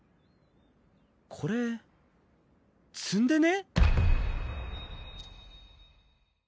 これ詰んでね？